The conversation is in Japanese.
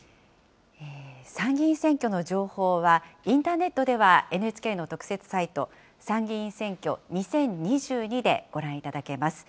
参議院選挙の情報は、インターネットではＮＨＫの特設サイト、参議院選挙２０２２でご覧いただけます。